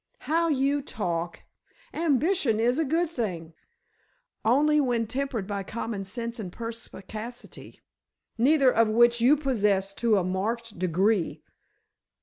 "How you talk! Ambition is a good thing." "Only when tempered by common sense and perspicacity—neither of which you possess to a marked degree."